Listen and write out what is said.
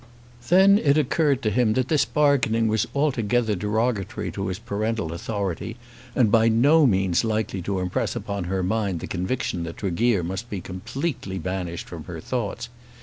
Then it occurred to him that this bargaining was altogether derogatory to his parental authority, and by no means likely to impress upon her mind the conviction that Tregear must be completely banished from her thoughts.